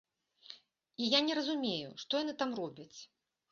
І я не разумею, што яны там робяць.